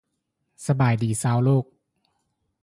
ສະບາຍດີຊາວໂລກ